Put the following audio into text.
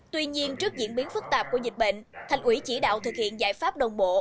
tuy nhiên trước diễn biến phức tạp của dịch bệnh thành ủy chỉ đạo thực hiện giải pháp đồng bộ